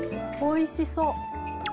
おいしそう。